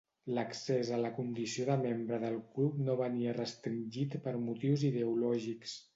L'accés a la condició de membre del club no venia restringit per motius ideològics.